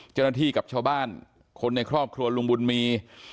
เจ้าหน้าที่กับชาวบ้านคนในครอบครัวลุงบุญมี